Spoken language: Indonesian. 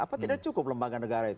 apa tidak cukup lembaga negara itu